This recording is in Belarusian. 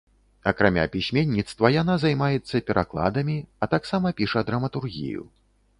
Акрамя пісьменніцтва, яна займаецца перакладамі, а таксама піша драматургію.